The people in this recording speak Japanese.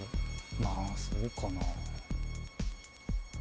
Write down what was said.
まあそうかな。